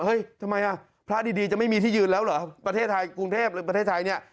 ทำไมอ่ะพระดีจะไม่มีที่ยืนแล้วเหรอประเทศไทยกรุงเทพหรือประเทศไทยเนี่ย